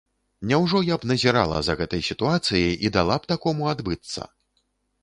Няўжо я б назірала за гэтай сітуацыяй і дала б такому адбыцца!?